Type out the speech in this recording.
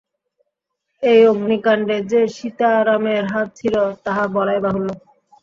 এই অগ্নিকাণ্ডে যে সীতারামের হাত ছিল, তাহা বলাই বাহুল্য।